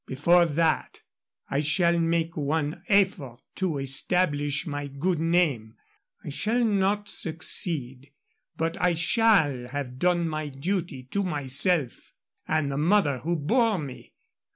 Before that I shall make one effort to establish my good name. I shall not succeed; but I shall have done my duty to myself and the mother who bore me.